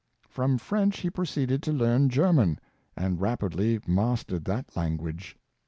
From French he proceeded to learn German, and rapidly mastered that language.